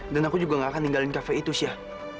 dan aku juga gak akan ninggalin kafe itu siar